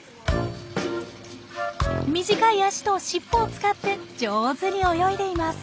短い足と尻尾を使って上手に泳いでいます。